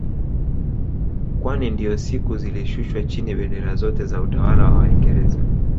Kwani ndiyo siku zilishushwa chini bendera zote za utawala wa waingereza